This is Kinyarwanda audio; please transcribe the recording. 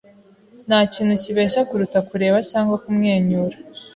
Ntakintu kibeshya kuruta kureba cyangwa kumwenyura.